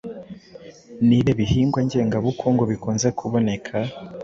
Ni ibihe bihingwa ngengabukungu bikunze kuboneka